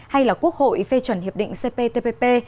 hay là quốc hội phê chuẩn hiệp định cptpp